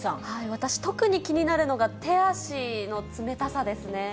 私、特に気になるのが手足の冷たさですね。